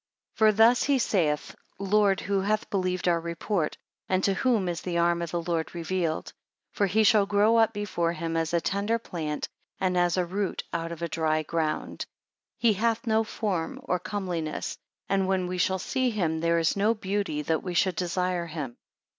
2 For thus he saith, Lord, who hath believed our report, and to whom is the arm of the Lord revealed; For he shall grow up before him as a tender plant, and as a root out of a dry ground; 3 He hath no form or comeliness, and when we shall see him, there is no beauty that we should desire him.